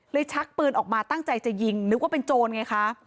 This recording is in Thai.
ชักปืนออกมาตั้งใจจะยิงนึกว่าเป็นโจรไงคะ